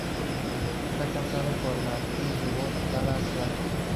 Está casado con la actriz de voz Tara Platt.